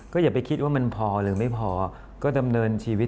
ก็อย่าไปคิดว่ามันพอหรือไม่พอ